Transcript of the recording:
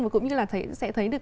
và cũng như là sẽ thấy được